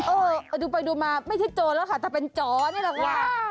เออดูไปดูมาไม่ใช่โจรแล้วค่ะแต่เป็นจ๋อนี่แหละค่ะ